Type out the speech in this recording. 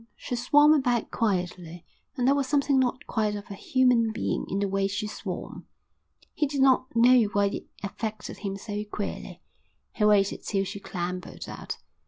She swam about quietly, and there was something not quite of a human being in the way she swam. He did not know why it affected him so queerly. He waited till she clambered out.